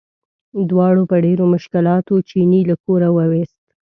دواړو په ډېرو مشکلاتو چیني له کوره وویست.